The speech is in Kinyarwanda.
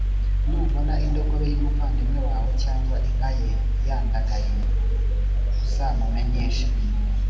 nubona indogobe y’umuvandimwe wawe cyangwa inka ye yagandaye uzamumenyeshe